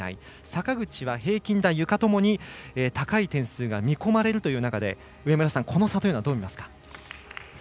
坂口は平均台、ゆかともに高い得点が見込まれるという中でこの差というのはどう見ますか。